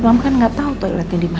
mama kan gak tau toiletnya dimana